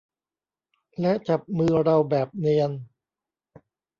และจับมือเราแบบเนียน